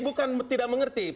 bukan tidak mengerti